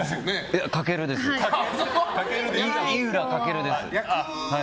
いや、井浦翔です。